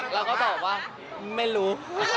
เราก็ตอบว่าไม่รู้